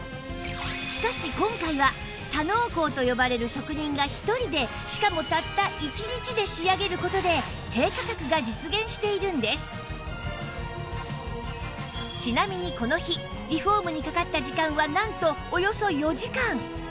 しかし今回は多能工と呼ばれる職人が１人でしかもちなみにこの日リフォームにかかった時間はなんとおよそ４時間！